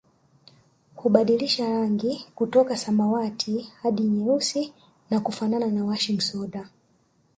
Hubadilisha rangi kutoka samawati hadi nyeusi na kufanana na washing soda